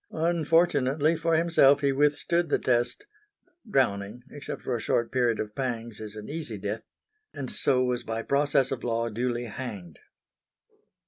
Unfortunately for himself he withstood the test drowning, except for a short period of pangs, is an easy death and so was by process of Law duly hanged.